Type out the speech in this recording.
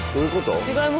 違います